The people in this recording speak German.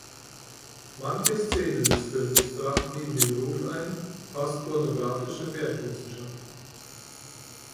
Manche Szenen des Films brachten ihm den Ruf ein, fast pornografische Werke zu schaffen.